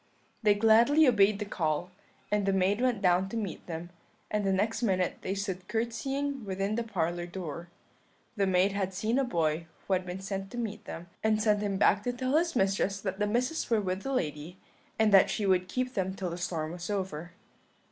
"They gladly obeyed the call, the maid went down to meet them, and the next minute they stood curtseying within the parlour door. The maid had seen a boy who had been sent to meet them, and sent him back to tell his mistress that the Misses were with the lady, and that she would keep them till the storm was over.